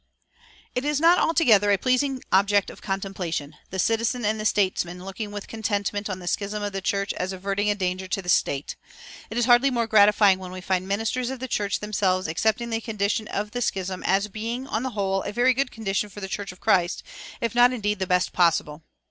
It is not altogether a pleasing object of contemplation the citizen and the statesman looking with contentment on the schism of the church as averting a danger to the state. It is hardly more gratifying when we find ministers of the church themselves accepting the condition of schism as being, on the whole, a very good condition for the church of Christ, if not, indeed, the best possible.